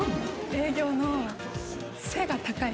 営業の背が高い。